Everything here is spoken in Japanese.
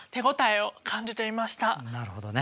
なるほどね。